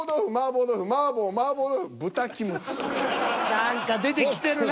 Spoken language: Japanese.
何か出てきてるな。